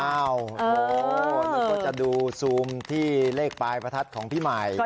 มันก็จะดูซูมที่เลขปลายประทัดของพี่ใหม่